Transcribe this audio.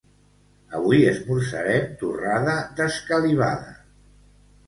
Avui esmorzarem torrada d'escalivada.